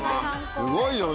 すごいよね。